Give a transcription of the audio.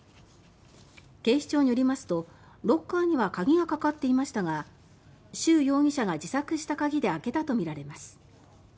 警視庁によりますとロッカーには鍵がかかっていましたがシュウ容疑者が自作した鍵で開けたとみられます。